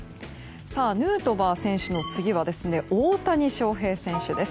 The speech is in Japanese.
ヌートバー選手の次は大谷翔平選手です。